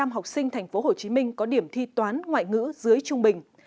một mươi học sinh tp hcm có điểm thi toán ngoại ngữ dưới trung bình